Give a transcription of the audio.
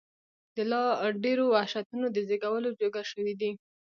د لا ډېرو وحشتونو د زېږولو جوګه شوي دي.